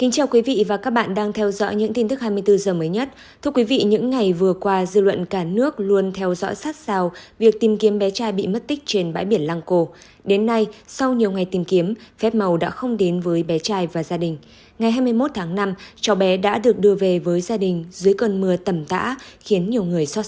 chào mừng quý vị đến với bộ phim hãy nhớ like share và đăng ký kênh của chúng mình nhé